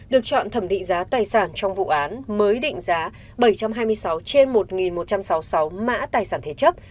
được chọn thẩm định giá tài sản trong vụ án mới định giá bảy trăm hai mươi sáu trên một một trăm sáu mươi sáu mã tài sản thế chấp